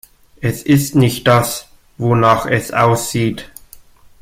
Es ist nicht das, wonach es aussieht.